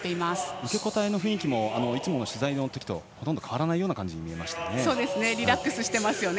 受け答えの雰囲気もいつもの取材のときとほとんど変わらないような感じに見えましたね。